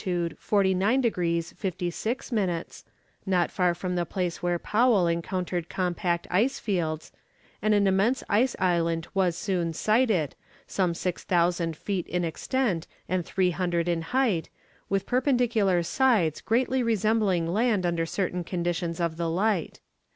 49 degrees 56 minutes, not far from the place were Powell encountered compact ice fields, and an immense ice island was soon sighted, some 6000 feet in extent and 300 in height, with perpendicular sides greatly resembling land under certain conditions of the light.